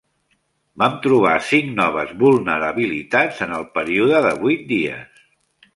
Vam trobar cinc noves vulnerabilitats en el període de vuit dies.